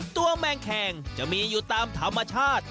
แมงแคงจะมีอยู่ตามธรรมชาติ